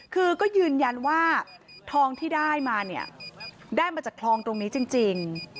คือก็ยืนยันว่าทองที่ได้มาเนี่ยได้มาจากคลองตรงนี้จริง